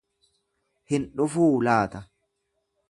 Hin dhufuu laata.